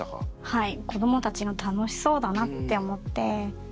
はい。